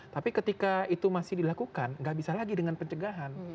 tapi ketika itu masih dilakukan nggak bisa lagi dengan pencegahan